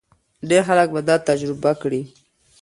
ډېر خلک به دا تجربه کړي.